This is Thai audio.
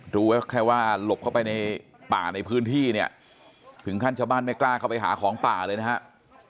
รู้แค่ว่าหลบเข้าไปในป่าในพื้นที่เนี่ยถึงขั้นชาวบ้านไม่กล้าเข้าไปหาของป่าเลยนะครับ